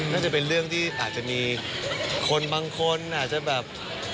น่าจะเป็นเรื่องที่อาจจะมีคนบางคนอาจจะแบบ